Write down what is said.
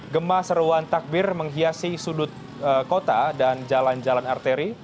gemah seruan takbir menghiasi sudut kota dan jalan jalan arteri